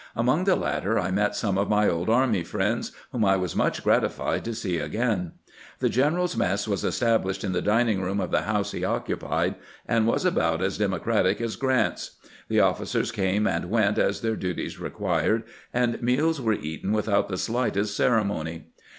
Among the latter I met some of my old army friends, whom I was much gratified to see again. The general's mess was established in the dining room of the house he occupied, and was about as democratic as Grdnt's. The oflBcers came and went as their duties required, and meals were eaten without the slightest ceremony.